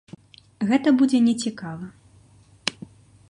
Гэта будзе не цікава.